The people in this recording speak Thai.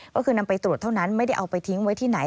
ก็คือนำไปตรวจเท่านั้นไม่ได้เอาไปทิ้งไว้ที่ไหน